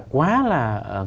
quá là nghiêm trọng